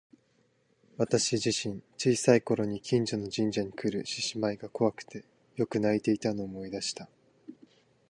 私自身、小さい頃に近所の神社にくる獅子舞が怖くてよく泣いていたのを思い出した。